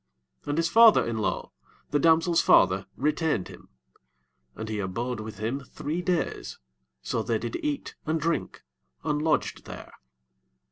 4 And his father in law, the damsel's father, retained him; and he abode with him three days: so they did eat and drink, and lodged there.